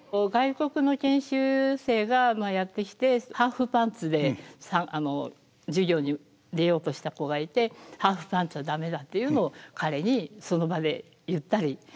外国の研修生がやって来てハーフパンツで授業に出ようとした子がいて「ハーフパンツは駄目だ」っていうのを彼にその場で言ったり。